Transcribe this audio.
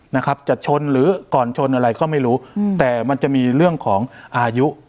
นะครับจะชนหรือก่อนชนอะไรก็ไม่รู้อืมแต่มันจะมีเรื่องของอายุ